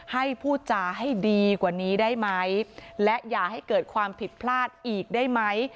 ให้พูดจาให้ดีกว่านี้ได้ไหมและอย่าให้เกิดความผิดพลาดอีกได้ไหม